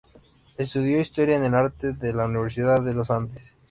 Estudió Historia del Arte en la Universidad de Los Andes.